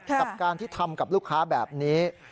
กับการที่ทำกับลูกค้าแบบนี้